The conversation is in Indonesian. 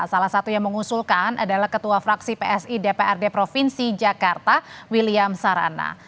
salah satu yang mengusulkan adalah ketua fraksi psi dprd provinsi jakarta william sarana